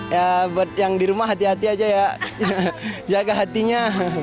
ya buat yang di rumah hati hati aja ya jaga hatinya